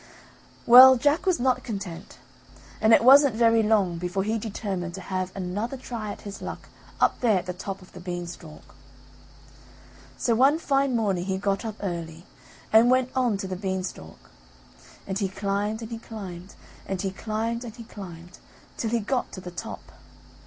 Well, Jack was not content, and it wasn't very long before he determined to have another try at his luck up there at the top of the beanstalk. So one fine morning, he got up early, and went on to the beanstalk, and he climbed and he climbed and he climbed and he climbed till he got to the top.